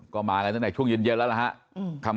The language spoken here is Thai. ก็มากันตั้งแต่ช่วงเย็นแล้วนะครับ